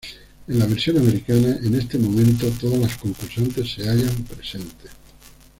En la versión americana, en este momento todas las concursantes se hallan presentes.